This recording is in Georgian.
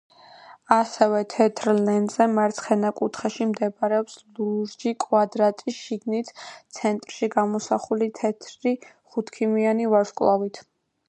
ასევე თეთრ ლენტზე, მარცხენა კუთხეში მდებარეობს ლურჯი კვადრატი, შიგნით, ცენტრში გამოსახული თეთრი ხუთქიმიანი ვარსკვლავით.